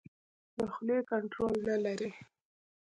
د خولې کنټرول نه لري.